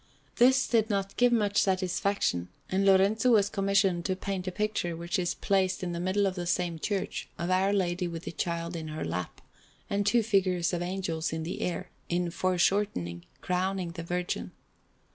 This did not give much satisfaction; and Lorenzo was commissioned to paint a picture, which is placed in the middle of the same church, of Our Lady with the Child in her lap, and two figures of Angels in the air, in foreshortening, crowning the Virgin.